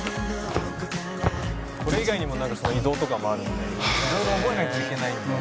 「これ以外にもなんか移動とかもあるので色々覚えなきゃいけないので」